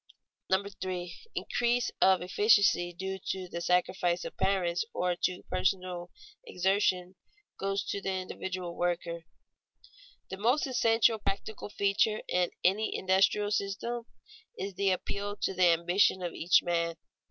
[Sidenote: Wages as affecting the ambition of the worker] 3. Increase of efficiency due to the sacrifice of parents or to personal exertion, goes to the individual worker. The most essential practical feature in any industrial system is the appeal to the ambition of each man.